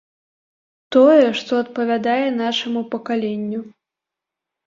Тое, што адпавядае нашаму пакаленню.